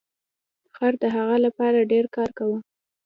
خر د هغه لپاره ډیر کار کاوه.